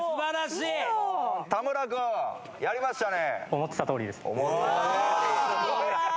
田村君やりましたね。